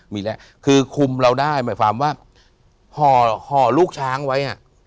มีแล้วคือคุมเราได้หมายความว่าห่อลูกช้างไว้